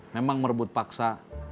memang merebut paksa